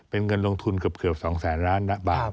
เป็นเงินลงทุนเกือบ๒แสนล้านบาท